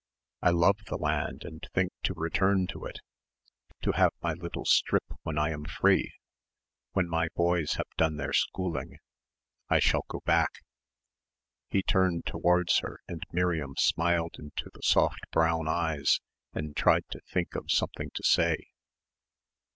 I love the land and think to return to it to have my little strip when I am free when my boys have done their schooling. I shall go back." He turned towards her and Miriam smiled into the soft brown eyes and tried to think of something to say.